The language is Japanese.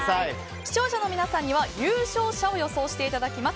視聴者の皆さんには優勝者を予想していただきます。